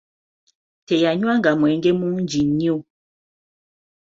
Teyanywanga mwenge mungi nnyo.